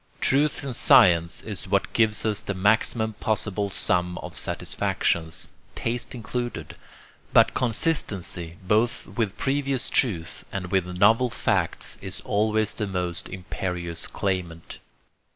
Truth in science is what gives us the maximum possible sum of satisfactions, taste included, but consistency both with previous truth and with novel fact is always the most imperious claimant.